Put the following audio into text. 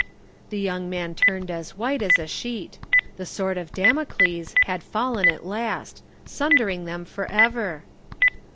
The young man turned as white as a sheet. The sword of Damocles had fallen at last, sundering them forever.